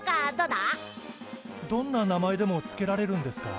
どんな名前でも付けられるんですか？